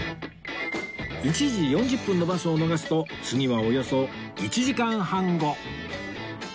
１時４０分のバスを逃すと次はおよそ１時間半後